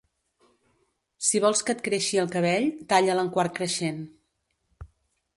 Si vols que et creixi el cabell, talla'l en quart creixent.